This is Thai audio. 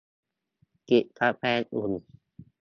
จิบกาแฟอุ่น